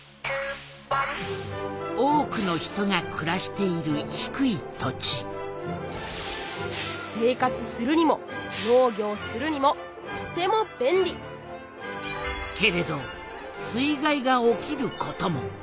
多くの人がくらしている低い土地生活するにも農業するにもとても便利けれど水害が起きることも。